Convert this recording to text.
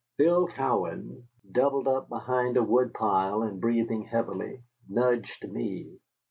Bill Cowan, doubled up behind a woodpile and breathing heavily, nudged me.